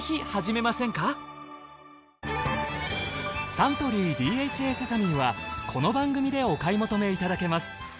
サントリーＤＨＡセサミンはこの番組でお買い求めいただけます。